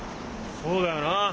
そうだよな。